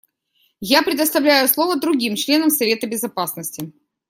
Я предоставляю слово другим членам Совета Безопасности.